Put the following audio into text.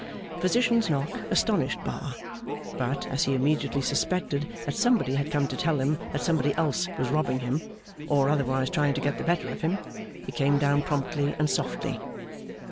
Physician's knock astonished Bar; but, as he immediately suspected that somebody had come to tell him that somebody else was robbing him, or otherwise trying to get the better of him, he came down promptly and softly.